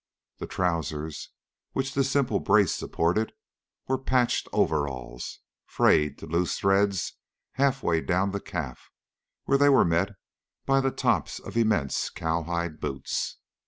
The trousers, which this simple brace supported, were patched overalls, frayed to loose threads halfway down the calf where they were met by the tops of immense cowhide boots.